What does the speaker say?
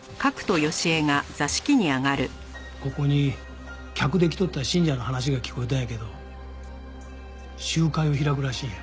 ここに客で来とった信者の話が聞こえたんやけど集会を開くらしいんや。